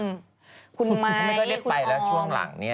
มายค์คุณป้องพี่มายค์คุณมายค์เขาไม่ได้ไปแล้วช่วงหลังนี้